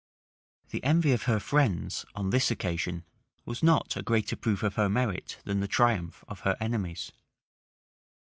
The envy of her friends, on this occasion, was not a greater proof of her merit than the triumph of her enemies.